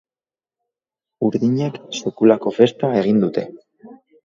Urdinek sekulako festa egin dute!